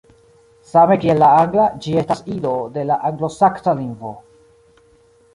Same kiel la angla, ĝi estas ido de la anglosaksa lingvo.